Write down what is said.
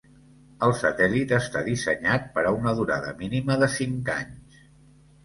El satèl·lit està dissenyat per a una durada mínima de cinc anys.